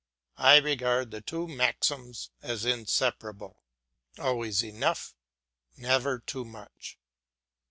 I regard the two maxims as inseparable always enough never too much.